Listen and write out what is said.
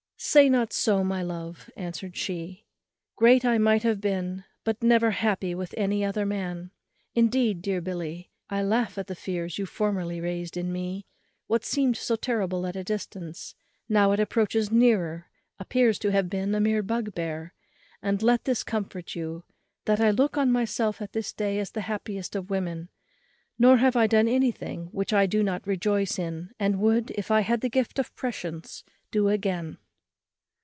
"Say not so, my love," answered she. "Great I might have been, but never happy with any other man. Indeed, dear Billy, I laugh at the fears you formerly raised in me; what seemed so terrible at a distance, now it approaches nearer, appears to have been a mere bugbear and let this comfort you, that I look on myself at this day as the happiest of women; nor have I done anything which I do not rejoice in, and would, if I had the gift of prescience, do again."